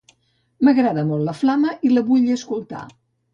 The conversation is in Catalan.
M'agrada molt "La flama" i la vull escoltar